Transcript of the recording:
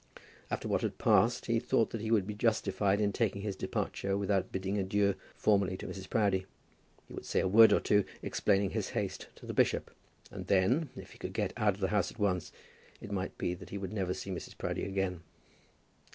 After what had passed he thought that he would be justified in taking his departure without bidding adieu formally to Mrs. Proudie. He would say a word or two, explaining his haste, to the bishop; and then, if he could get out of the house at once, it might be that he would never see Mrs. Proudie again.